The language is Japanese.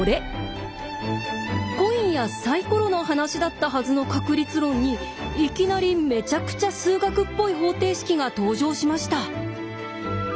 コインやサイコロの話だったはずの確率論にいきなりめちゃくちゃ数学っぽい方程式が登場しました。